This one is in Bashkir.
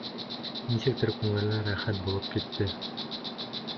Нисектер күңеленә рәхәт булып китте.